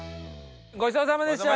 ごちそうさまでした！